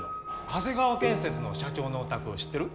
長谷川建設の社長のお宅知ってる？